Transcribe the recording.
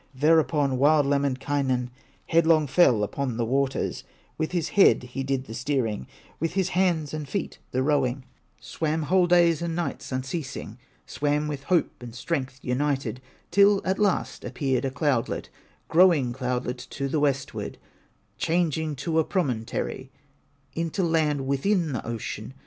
Thereupon wild Lemminkainen Headlong fell upon the waters; With his head he did the steering, With his hands and feet, the rowing; Swam whole days and nights unceasing, Swam with hope and strength united, Till at last appeared a cloudlet, Growing cloudlet to the westward, Changing to a promontory, Into land within the ocean.